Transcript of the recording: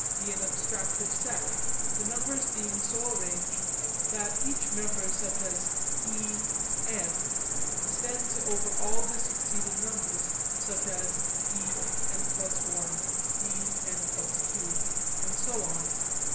be an abstractive set, the members being so arranged that each member such as e_{n} extends over all the succeeding members such as e_{n+1}, e_{n+2} and so on.